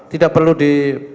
tidak perlu di